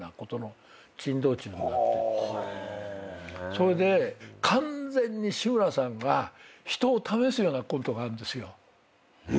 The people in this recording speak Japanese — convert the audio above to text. それで完全に志村さんは人を試すようなコントがあるんですよ。